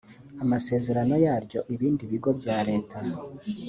amasezerano yaryo ibindi bigo bya leta